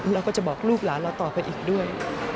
เราก็จะบอกลูกหลานเราต่อไปอีกด้วย